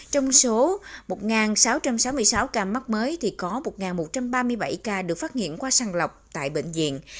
trong số một sáu trăm sáu mươi sáu ca mắc mới thì có một một trăm ba mươi bảy ca được phát hiện qua sàng lọc tại bệnh viện